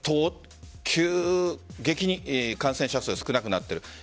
急激に感染者数が少なくなっている。